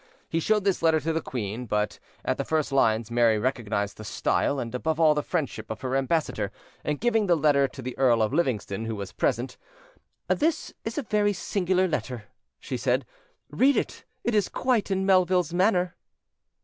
He showed this letter to the queen; but at the first lines Mary recognised the style, and above all the friendship of her ambassador, and giving the letter to the Earl of Livingston, who was present, "There is a very singular letter," said she. "Read it. It is quite in Melvine's manner."